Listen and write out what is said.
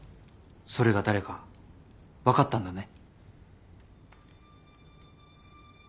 それが誰か分かったんだね。